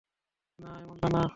না, এমনটা না।